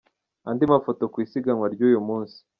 Andi mafoto ku isiganwa ry’uyu munsi.